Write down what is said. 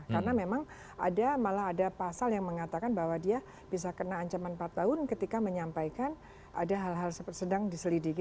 karena memang ada malah ada pasal yang mengatakan bahwa dia bisa kena ancaman empat tahun ketika menyampaikan ada hal hal sedang diselidiki